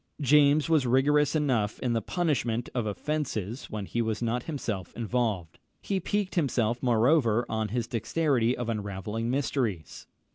James was rigorous enough in the punishment of offences when he was not himself involved. He piqued himself, moreover, on his dexterity in unravelling mysteries.